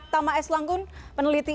tama s langkun peneliti